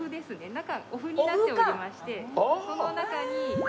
中お麩になっておりましてその中に。